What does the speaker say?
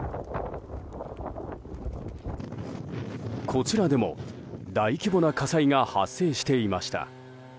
こちらでも大規模な火災が発生していました。